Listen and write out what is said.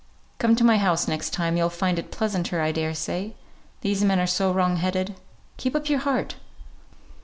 Come to my house next time; you'll find it pleasanter, I daresay. These men are so wrong headed. Keep up your heart!"